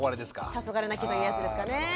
たそがれ泣きというやつですかねえ。